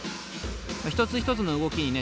一つ一つの動きにね